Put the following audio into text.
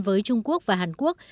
với trung quốc và hàn quốc